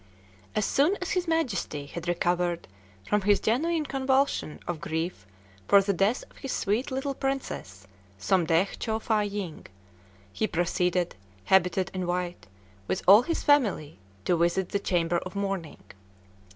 As soon as his Majesty had recovered from his genuine convulsion of grief for the death of his sweet little princess, Somdetch Chow Fâ ying, he proceeded, habited in white, with all his family, to visit the chamber of mourning.